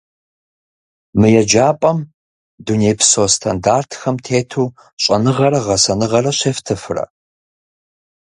Мы еджапӏэм дунейпсо стандартхэм тету щӏэныгъэрэ гъэсэныгъэ щефтыфрэ?